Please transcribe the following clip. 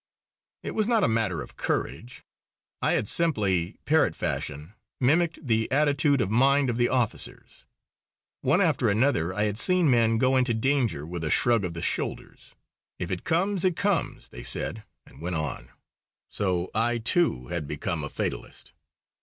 It was not a matter of courage. I had simply, parrot fashion, mimicked the attitude of mind of the officers. One after another I had seen men go into danger with a shrug of the shoulders. "If it comes it comes!" they said, and went on. So I, too, had become a fatalist.